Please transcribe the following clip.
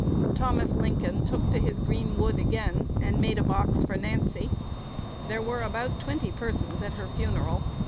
Thomas Lincoln took to his green wood again, and made a box for Nancy. There were about twenty persons at her funeral.